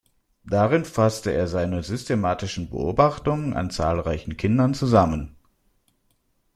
Darin fasste er seine systematischen Beobachtungen an zahlreichen Kindern zusammen.